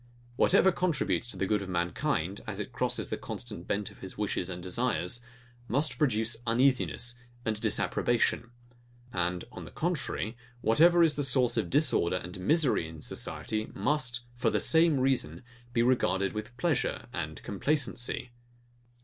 Whatever contributes to the good of mankind, as it crosses the constant bent of his wishes and desires, must produce uneasiness and disapprobation; and on the contrary, whatever is the source of disorder and misery in society, must, for the same reason, be regarded with pleasure and complacency.